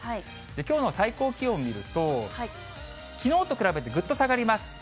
きょうの最高気温見ると、きのうと比べてぐっと下がります。